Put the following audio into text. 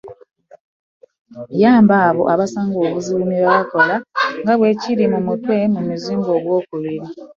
Yamba abo abasanga obuzibu mu bye bakola nga bwe kiri mu mutwe mu muzingo ogwokubiri.